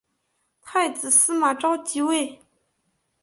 太子司马绍即位。